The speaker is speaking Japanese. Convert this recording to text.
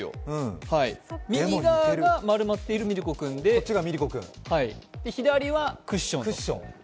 右側が丸まってるミルコ君で左はクッションです。